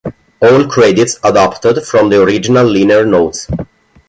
All credits adapted from the original liner notes.